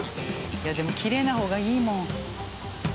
いやでもきれいな方がいいもん。